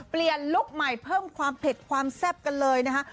เปลี่ยนลูกใหม่เพิ่มผิดความแซ่บกันเลยนะคะ